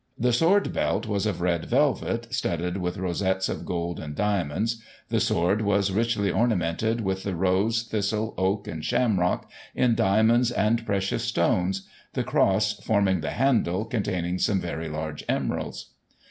The sword belt was of red velvet, studded with rosettes of gold and diamonds ; the sword was richly orna mented with the rose, thistle, oak, and shamrock, in diamonds and precious stones, the cross, forming the handle, contain ing some very large emeralds.